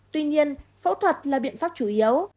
tuy nhiên phẫu thuật là biện pháp chủ yếu